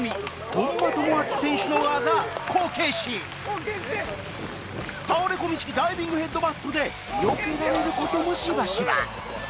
本間朋晃選手の技こけし倒れ込み式ダイビングヘッドバットでよけられる事もしばしば